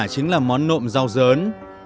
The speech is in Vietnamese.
chính là món nộm rau dấn